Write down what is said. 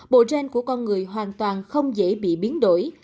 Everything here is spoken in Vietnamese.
bộ gen của con người hoàn toàn không dễ bị biến đổi